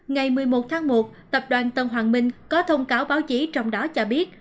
ngày một mươi một tháng một tập đoàn tân hoàng minh có thông cáo báo chí trong đó cho biết